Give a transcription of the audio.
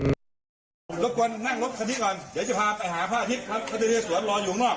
ผมรบกวนนั่งรถคันนี้ก่อนเดี๋ยวจะพาไปหาพระอาทิตย์ครับพระเดสวนรออยู่ข้างนอก